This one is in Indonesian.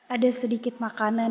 ada sedikit makanan